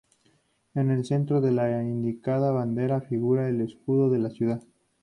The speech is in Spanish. En el centro de la indicada bandera figura el escudo de la ciudad.